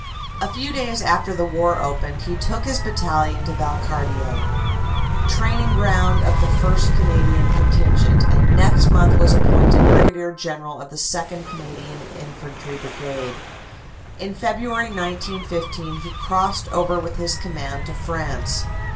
A few days after the war opened, he took his battalion to Valcartier, training ground of the First Canadian Contingent, and next month was appointed Brig. General of the 2nd. Canadian Infantry Brigade. In February, 1915, he crossed over with his command to France.